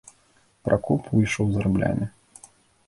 Пракоп выйшаў з граблямі.